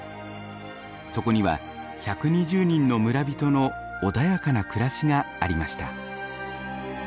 そこには１２０人の村人の穏やかな暮らしがありました。